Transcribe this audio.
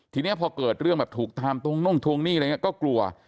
ทีนี้พอเกิดเรื่องแบบถูกตามทวงน่งทวงหนี้อะไรอย่างนี้ก็กลัว